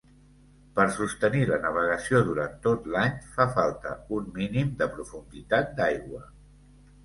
Per sostenir la navegació durant tot l'any fa falta un mínim de profunditat d'aigua.